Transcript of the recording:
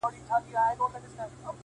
تاج دي کم سلطان دي کم اورنګ دي کم-